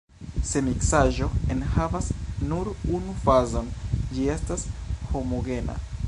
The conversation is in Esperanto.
Se miksaĵo enhavas nur unu fazon, ĝi estas homogena.